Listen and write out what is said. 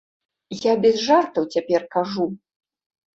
Я без жартаў цяпер кажу.